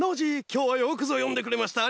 きょうはよくぞよんでくれました。